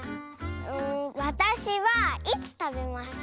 わたしはいつたべますか？